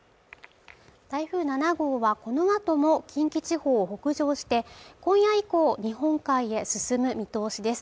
台風７号はこのあとも近畿地方を北上して今夜以降日本海へ進む見通しです